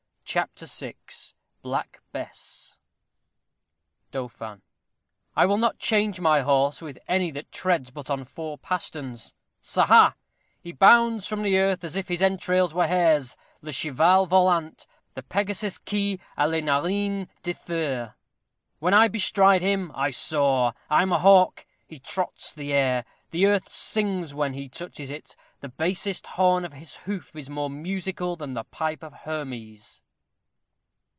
CHAPTER VI BLACK BESS Dauphin. I will not change my horse with any that treads but on four pasterns. Ca, ha! He bounds from the earth as if his entrails were hairs; le cheval volant, the Pegasus qui a les narines de feu! When I bestride him, I soar, I am a hawk: he trots the air; the earth sings when he touches it; the basest horn of his hoof is more musical than the pipe of Hermes.